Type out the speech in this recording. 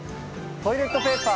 トイレットペーパー！？